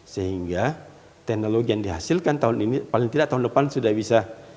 sehingga teknologi yang dihasilkan tahun ini paling tidak tahun depan sudah bisa